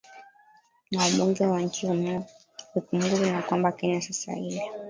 na wabunge wa nchini humu ikumbukwe tu kwamba kenya sasa hivi